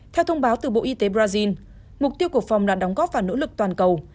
theo thông báo từ bộ y tế brazil mục tiêu của phòng là đóng góp và nỗ lực toàn cầu